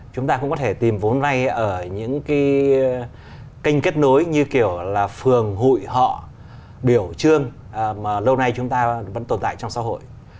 chúng ta cũng có thể tìm vốn vay ở những cái kênh kết nối như kiểu là phường hội họ biểu trương mà lâu nay chúng ta vẫn tồn tại trong xã hội